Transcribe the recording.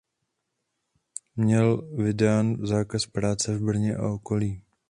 Měl vydán zákaz práce v Brně a okolí.